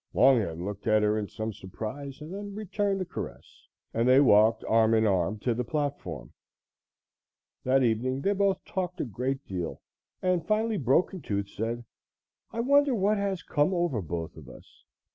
Longhead looked at her in some surprise and then returned the caress, and they walked arm in arm to the platform. That evening they both talked a great deal, and finally Broken Tooth said: "I wonder what has come over both of us.